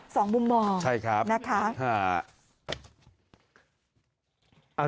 สองมุมมองนะคะนะครับใช่ครับ